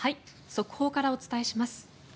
速報からお伝えします。